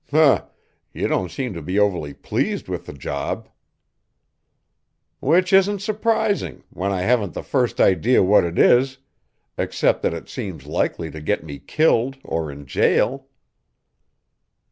"Hm! You don't seem to be overly pleased with the job." "Which isn't surprising, when I haven't the first idea what it is, except that it seems likely to get me killed or in jail."